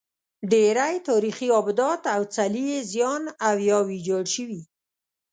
ډېری تاریخي ابدات او څلي یې زیان او یا ویجاړ شوي.